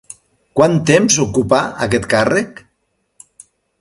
Quant temps ocupà aquest càrrec?